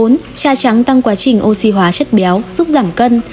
bốn trà trắng tăng quá trình oxy hóa chất béo giúp giảm cân